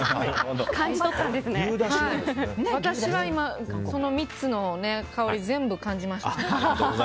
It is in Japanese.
私は今、この３つの香り全部を感じました。